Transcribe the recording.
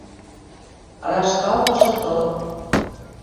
Рашкалтышы тылым